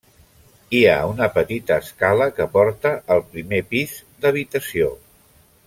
Hi ha una petita escala que porta al primer pis d'habitació.